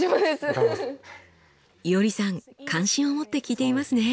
いおりさん関心を持って聞いていますね！